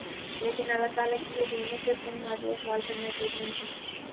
لیکن اللہ تعالیٰ کی یہ دنیا صرف ان مادی احوال تک محدود نہیں ہے